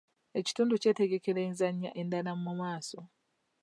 Ekitundu kyetegekera enzannya endala mu maaso.